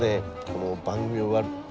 この番組を終わる。